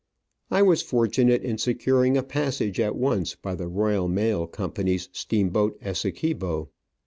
I was fortunate in securing a passage at once by the Royal Mail Company's steamship Essequibo.